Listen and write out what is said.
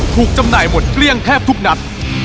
จำหน่ายหมดเกลี้ยงแทบทุกนัด